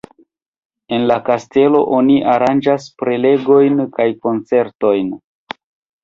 En la kastelo oni aranĝas prelegojn kaj koncertojn.